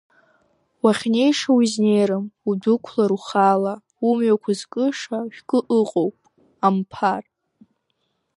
Уахьнеиша узнеирым удәықәлар ухала, умҩақәа зкыша шәкы ыҟоуп, Амԥар.